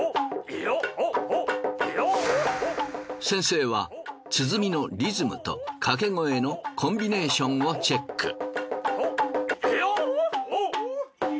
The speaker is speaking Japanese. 先生は鼓のリズムと掛け声のコンビネーションをチェック。